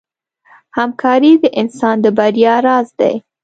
همکاري د انسان د بریا راز دی.